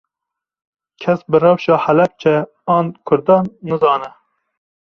Kes bi rewşa Helepçe an Kurdan nizane